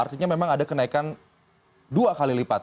artinya memang ada kenaikan dua kali lipat